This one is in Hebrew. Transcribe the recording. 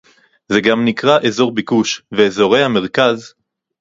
זה גם נקרא אזור ביקוש ואזורי המרכז